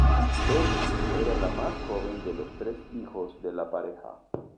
Betty era la más joven de los tres hijos de la pareja.